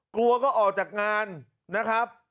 กลัวก็ออกจากงานนะครับ